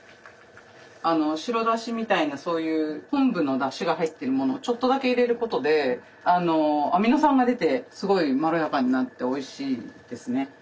白だしみたいなそういう昆布のだしが入ってるものをちょっとだけ入れることでアミノ酸が出てすごいまろやかになっておいしいですね。